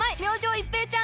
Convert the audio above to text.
一平ちゃーん！